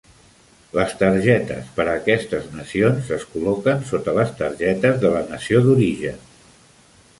Les targetes per a aquestes nacions es col·loquen sota les targetes de la nació d'origen.